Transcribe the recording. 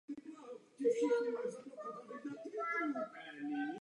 Kabina obsahovala tři křesla pro posádku.